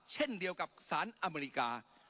เช่นเดียวกับสารอเมริกา